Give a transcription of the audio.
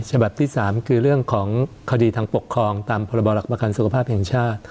ฉบับที่๓คือเรื่องของคดีทางปกครองตามพรบหลักประกันสุขภาพแห่งชาติ